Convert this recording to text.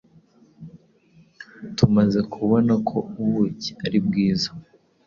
tumaze kubona ko ubuki ari bwiza